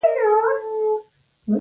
د توند باد درنو لاسونو